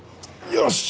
よし！